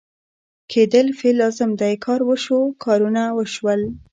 کېدل فعل لازم دی کار وشو ، کارونه وشول